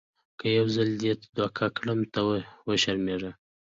که یو ځل دې دوکه کړم ته وشرمېږه .